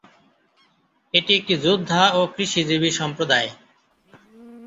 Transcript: এটি একটি যোদ্ধা ও কৃষিজীবী সম্প্রদায়।